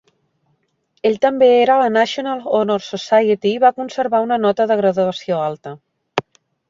Ell també era a la National Honor Society i va conservar una nota de graduació alta.